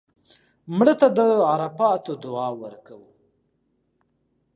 مړه ته د عرفاتو دعا ورکوو